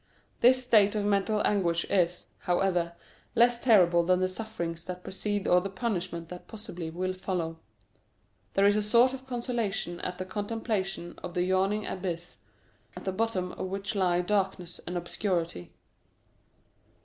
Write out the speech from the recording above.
This state of mental anguish is, however, less terrible than the sufferings that precede or the punishment that possibly will follow. There is a sort of consolation at the contemplation of the yawning abyss, at the bottom of which lie darkness and obscurity.